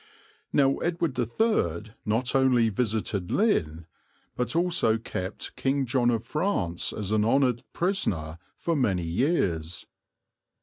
Now Edward III not only visited Lynn, but also kept King John of France as an honoured prisoner for many years.